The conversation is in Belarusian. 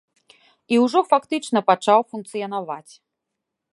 І ўжо фактычна пачаў функцыянаваць.